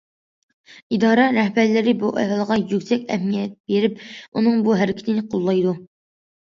ئىدارە رەھبەرلىرى بۇ ئەھۋالغا يۈكسەك ئەھمىيەت بېرىپ، ئۇنىڭ بۇ ھەرىكىتىنى قوللايدۇ.